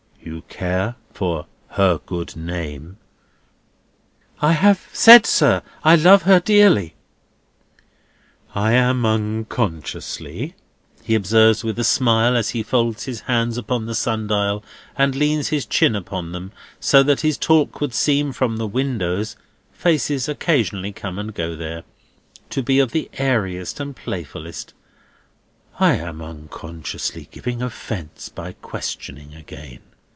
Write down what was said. "You care for her good name?" "I have said, sir, I love her dearly." "I am unconsciously," he observes with a smile, as he folds his hands upon the sun dial and leans his chin upon them, so that his talk would seem from the windows (faces occasionally come and go there) to be of the airiest and playfullest—"I am unconsciously giving offence by questioning again.